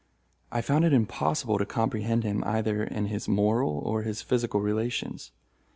I found it impossible to comprehend him either in his moral or his physical relations.